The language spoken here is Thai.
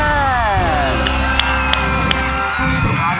สิบหกคะแนน